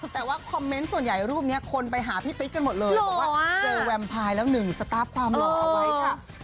แต่ว่าคอมเมนต์ส่วนใหญ่รูปนี้คนไปหาพี่ติ๊กกันหมดเลยบอกว่าเจอแวมพายแล้วหนึ่งสตาร์ฟความหล่อเอาไว้ค่ะ